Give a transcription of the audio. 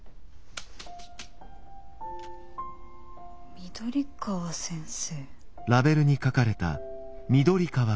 緑川先生？